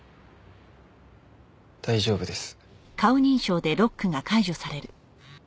大丈夫です。